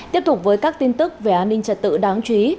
tiếp tục với các tin tức về an ninh trật tự đáng chú ý